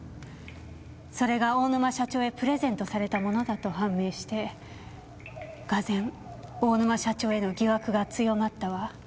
それが大沼社長へプレゼントされたものだと判明してがぜん大沼社長への疑惑が強まったわ。